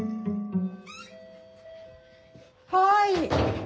はい。